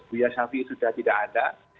buya syafi'i sudah tidak ada